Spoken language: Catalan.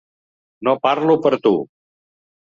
No parlo per tu!